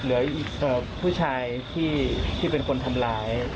เหลือผู้ชายนเป็นคนทำร้าย